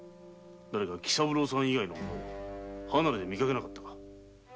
喜三郎さん以外の者を離れで見かけなかったか？